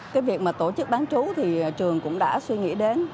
cái việc mà tổ chức bán chú thì trường cũng đã suy nghĩ đến